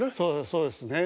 そうですね。